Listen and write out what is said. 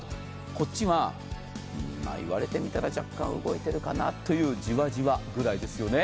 こっちはいわれてみたら若干動いているかなというジワジワぐらいですよね。